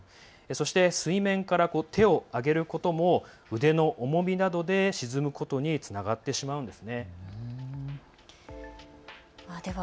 そして、水面から手を上げることも腕の重みなどで沈むことにつながってしまうんだそうです。